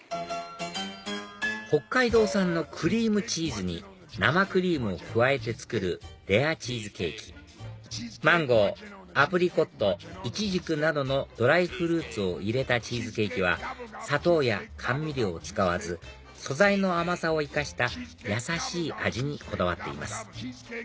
北海道産のクリームチーズに生クリームを加えて作るレアチーズケーキマンゴーアプリコットイチジクなどのドライフルーツを入れたチーズケーキは砂糖や甘味料を使わず素材の甘さを生かしたやさしい味にこだわっています